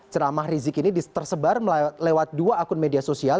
ceramah rizik ini tersebar lewat dua akun media sosial